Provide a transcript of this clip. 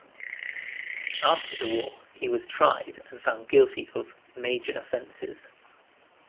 After the war, he was tried and found guilty of "major offenses".